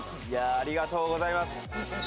いやぁ、ありがとうございます。